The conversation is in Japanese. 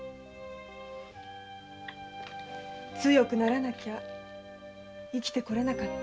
強くならなきゃ生きて来れなかった。